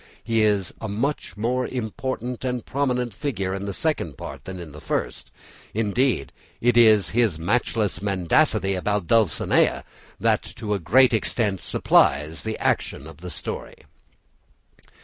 He is a much more important and prominent figure in the Second Part than in the First; indeed, it is his matchless mendacity about Dulcinea that to a great extent supplies the action of the story.